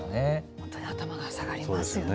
本当に頭が下がりますよね。